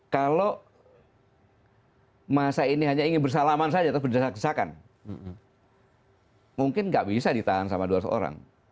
kalau masa ini hanya ingin bersalaman saja atau berdesak desakan mungkin nggak bisa ditahan sama dua ratus orang